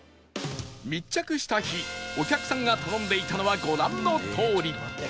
密着した日お客さんが頼んでいたのはご覧のとおり